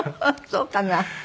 そうかな。